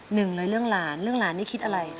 หนึ่งเลยเรื่องหลานเรื่องหลานนี่คิดอะไร